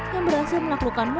yang berhasil melakukan meraih